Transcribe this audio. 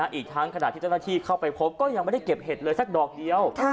เดี๋ยวตั้งคดระที่จะเงินน่าที่เข้าไปพบก็ยังไม่ได้เก็บเห็ดเลยสักดอกเดียว